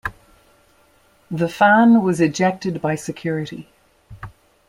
The fan was ejected by security.